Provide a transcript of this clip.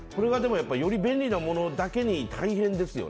便利なものだけに大変ですよね。